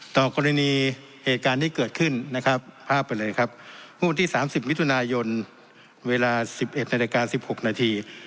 ต่อกรณีเหตุการณ์ที่เกิดขึ้นนะครับภาพไปเลยครับมุมที่สามสิบมิถุนายนเวลาสิบเอ็ดนาฬิกาสิบหกนาที